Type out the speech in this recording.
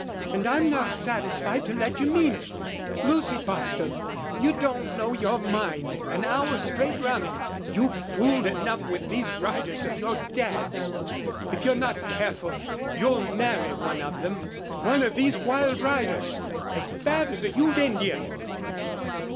And I'm not satisfied to let you mean it. Lucy Bostil, you don't know your mind an hour straight running. You've fooled enough with these riders of your Dad's. If you're not careful you'll marry one of them.... One of these wild riders! As bad as a Ute Indian!